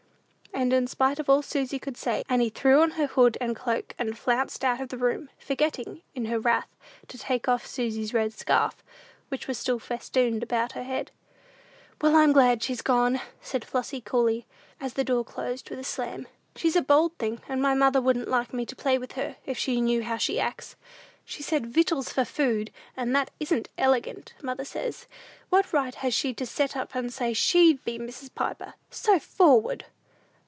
And, in spite of all Susy could say, Annie threw on her hood and cloak, and flounced out of the room; forgetting, in her wrath, to take off Susy's red scarf, which was still festooned about her head. "Well, I'm glad she's gone," said Flossy, coolly, as the door closed with a slam. "She's a bold thing, and my mother wouldn't like me to play with her, if she knew how she acts! She said 'victuals' for food, and that isn't elegant, mother says. What right had she to set up and say she'd be Mrs. Piper? So forward!"